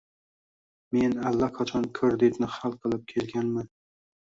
Men allaqachon kreditni hal qilib kelganman